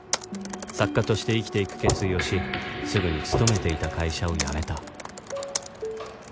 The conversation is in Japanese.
作家として生きていく決意をしすぐに勤めていた会社を辞めた